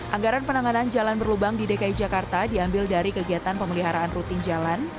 anggaran penanganan jalan berlubang di dki jakarta diambil dari kegiatan pemeliharaan rutin jalan